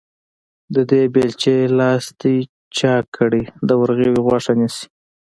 د دې بېلچې لاستي چاک کړی، د ورغوي غوښه نيسي.